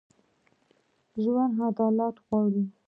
ژوندي عدالت غواړي